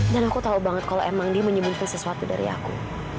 dan aku tahu banget kalau emang dia menyembunyikan sesuatu dari aku